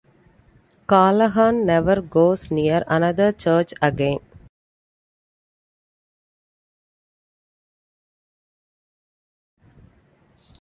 Callahan never goes near another church again.